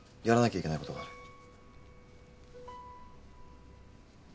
やらなきゃいけないことがある。